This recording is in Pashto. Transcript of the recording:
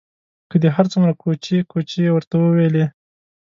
که دې هر څومره کوچې کوچې ورته وویلې.